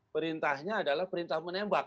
perintahnya adalah perintah menembak